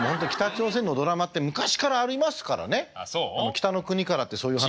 「北の国から」ってそういう話。